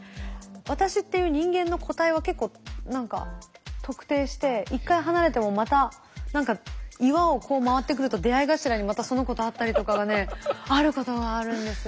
私っていう人間の個体を結構何か特定して１回離れてもまた何か岩をこう回ってくると出会い頭にまたその子と会ったりとかがねあることはあるんです。